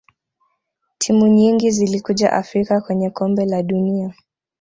timu nyingi zilikuja afrika kwenye kombe la dunia